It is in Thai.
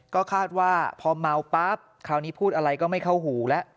ก็คาดว่าพอเมาปั๊บคราวนี้พูดอะไรก็ไม่เข้าหูแล้ว